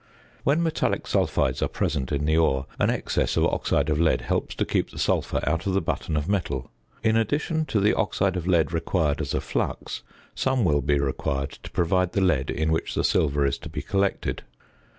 When metallic sulphides are present in the ore, an excess of oxide of lead helps to keep the sulphur out of the button of metal. In addition to the oxide of lead required as a flux, some will be required to provide the lead in which the silver is to be collected.